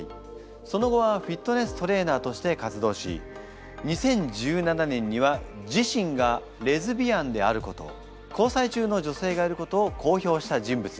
その後はフィットネストレーナーとして活動し２０１７年には自身がレズビアンであること交際中の女性がいることを公表した人物です。